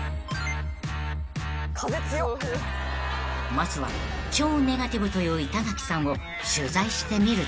［まずは超ネガティブという板垣さんを取材してみると］